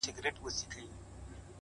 زما له ملا څخه په دې بد راځي _